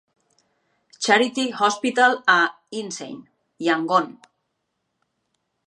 Charity Hospital a Insein, Yangon.